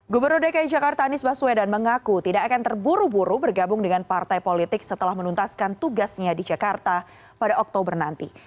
gubernur dki jakarta anies baswedan mengaku tidak akan terburu buru bergabung dengan partai politik setelah menuntaskan tugasnya di jakarta pada oktober nanti